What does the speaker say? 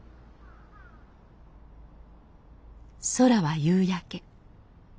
空は夕焼け。